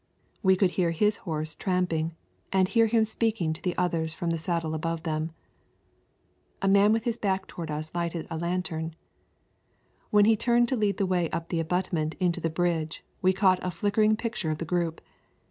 We could hear his horse tramping, and hear him speaking to the others from the saddle above them. A man with his back toward us lighted a lantern. When he turned to lead the way up the abutment into the bridge, we caught a flickering picture of the group.